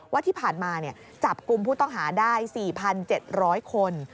ว่าที่ผ่านมาจับกลุ่มผู้ต้องหาได้๔๗๐๐คน